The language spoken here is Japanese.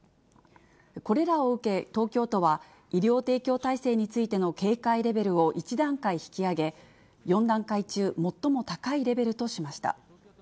これらを受け、東京都は医療提供体制についての警戒レベルを１段階引き上げ、４段階中、最も高いレベルとしました。